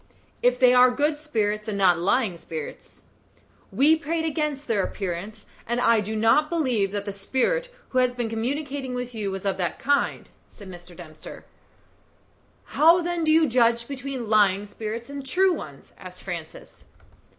"If they are good spirits, and not lying spirits. We prayed against their appearance, and I do not believe that the spirit who has been communicating with you was of that kind," said Mr. Dempster. "How, then, do you judge between lying spirits and true ones?" asked Francis.